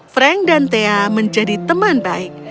frank dan thea menjadi teman baik